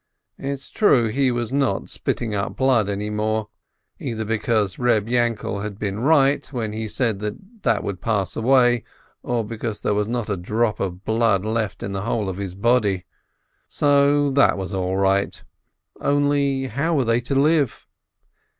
It's true that he was not spitting blood any more, either because Reb Yainkel had been right, when he said that would pass away, or because there was not a drop of blood in the whole of his body. So that was all right — only, how were they to live?